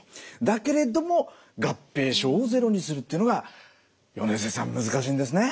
だけれども合併症をゼロにするっていうのが米瀬さん難しいんですね。